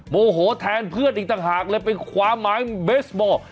โมโหแทนเพื่อนอีกต่างหากเลยไปคว้าไม้เบสบอล